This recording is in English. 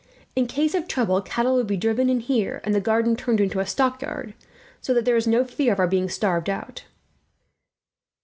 In case of trouble cattle will be driven in there, and the garden turned into a stockyard, so that there is no fear of our being starved out."